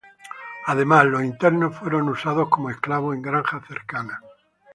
Además, los internos fueron usados como esclavos en granjas cercanas.